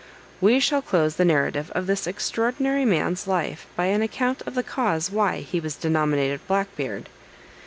We shall close the narrative of this extraordinary man's life by an account of the cause why he was denominated Black Beard.